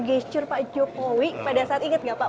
gesture pak jokowi pada saat inget gak pak